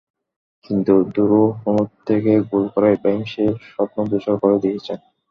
কিন্তু দুরূহ কোণ থেকে গোল করে ইব্রাহিম সেই স্বপ্ন ধূসর করে দিয়েছেন।